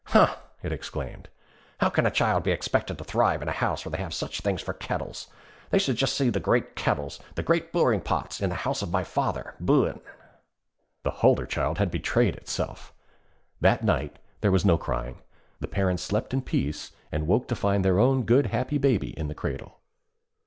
'Huh!' it exclaimed, 'how can a child be expected to thrive in a house where they have such things for kettles! They should just see the great kettles the great brewing pots in the house of my father, Buin!' The Hulderchild had betrayed itself! That night there was no crying, the parents slept in peace and woke to find their own good happy baby in the cradle.